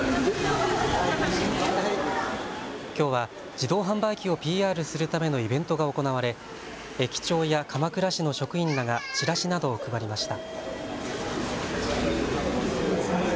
きょうは自動販売機をＰＲするためのイベントが行われ駅長や鎌倉市の職員らがチラシなどを配りました。